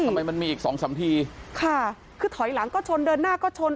มันมีอีกสองสามทีค่ะคือถอยหลังก็ชนเดินหน้าก็ชน